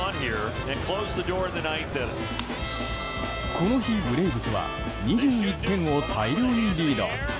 この日のブレーブスは２１点を大量にリード。